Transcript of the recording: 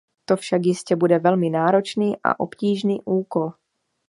To však jistě bude velmi náročný a obtížný úkol.